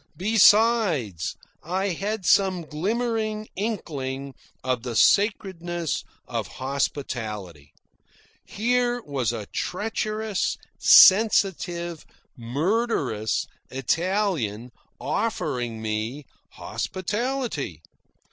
Besides, I had some glimmering inkling of the sacredness of hospitality. Here was a treacherous, sensitive, murderous Italian, offering me hospitality.